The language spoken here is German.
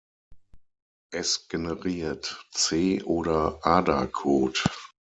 Es generiert C- oder Ada-Code.